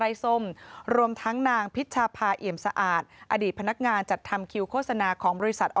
ส้มรวมทั้งนางพิชภาเอี่ยมสะอาดอดีตพนักงานจัดทำคิวโฆษณาของบริษัทอ